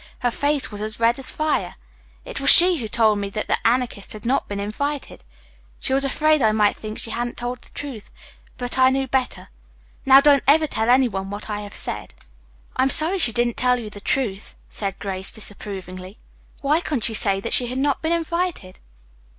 Her face was as red as fire. It was she who told me that the Anarchist had not been invited. She was afraid I might think she hadn't told the truth, but I knew better. Now, don't ever tell any one what I have said." "I'm sorry she didn't tell the truth," said Grace disapprovingly. "Why couldn't she say that she had not been invited?"